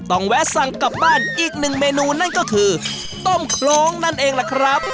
แวะสั่งกลับบ้านอีกหนึ่งเมนูนั่นก็คือต้มโครงนั่นเองล่ะครับ